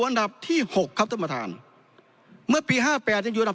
อันดับที่หกครับท่านประธานเมื่อปีห้าแปดยังอยู่อันดับ